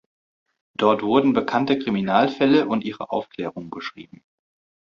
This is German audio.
Dort wurden bekannte Kriminalfälle und ihre Aufklärung beschrieben.